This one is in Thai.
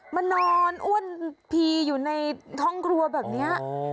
มานอนอ้วนพีอยู่ในห้องครัวแบบนี้